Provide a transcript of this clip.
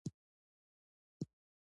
لازمه وړتیا اساسي شرط دی.